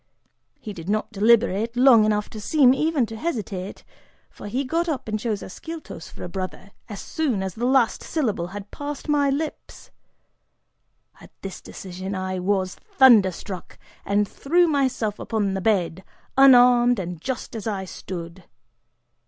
He did not deliberate long enough to seem even to hesitate, for he got up and chose Ascyltos for a "brother," as soon as the last syllable had passed my lips! At this decision I was thunder struck, and threw myself upon the bed, unarmed and just as I stood.